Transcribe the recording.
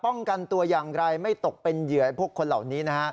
ป้องกันตัวอย่างไรไม่ตกเป็นเหยื่อพวกคนเหล่านี้นะฮะ